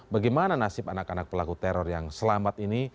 bagaimana nasib anak anak pelaku teror yang selamat ini